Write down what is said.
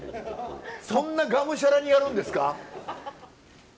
そんながむしゃらにやるんですか？